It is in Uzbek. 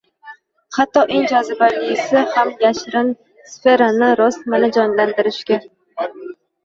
hatto eng jozibalisi ham “yashirin sferani” rostmana jonlantirishga